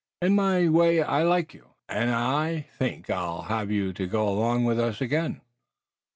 In my way I like you, and I think I'll have you to go along with us again."